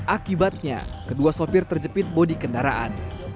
akibatnya kedua sopir terjepit bodi kendaraan